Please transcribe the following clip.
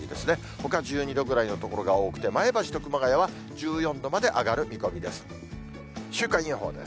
ほか１２度ぐらいの所が多くて、前橋と熊谷は１４度まで上がる見込みです。